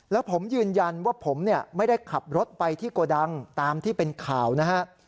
แล้วผมยืนยันว่าผมเนี่ยไม่ได้ขับรถไปที่โกดังตามที่เป็นข่าวนะฮะ